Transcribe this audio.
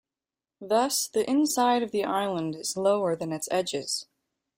Thus the inside of the island is lower than its edges.